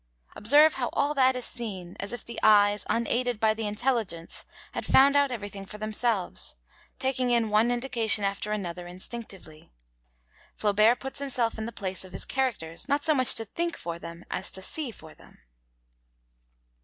Observe how all that is seen, as if the eyes, unaided by the intelligence, had found out everything for themselves, taking in one indication after another, instinctively. Flaubert puts himself in the place of his characters, not so much to think for them as to see for them.